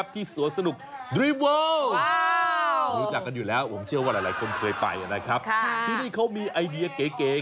ที่นี่เขามีไอเดียเก๋